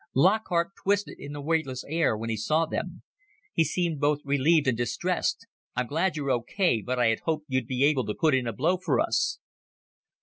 Lockhart twisted in the weightless air when he saw them. He seemed both relieved and distressed. "I'm glad you're okay, but I had hoped you'd be able to put in a blow for us."